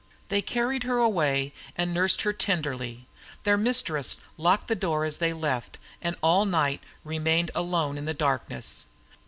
They carried her away and nursed her tenderly; their mistress locked the door as they left, and all night long remained alone in darkness.